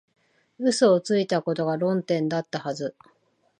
嘘をついたことが論点だったはず